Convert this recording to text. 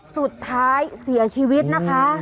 สุดท้ายเสียชีวิตนะคะ